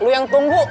lu yang tunggu